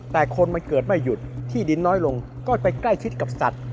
แต่คนมันเกิดไม่หยุดที่ดินน้อยลงก็ไปใกล้ชิดกับสัตว์